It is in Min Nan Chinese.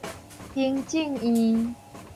行政院